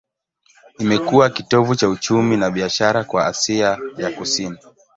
Imekuwa kitovu cha uchumi na biashara kwa Asia ya Kusini.